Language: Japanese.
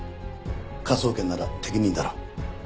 科捜研なら適任だろ。